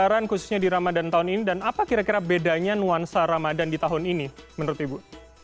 pelonggaran khususnya di ramadan tahun ini dan apa kira kira bedanya nuansa ramadan di tahun ini menurut ibu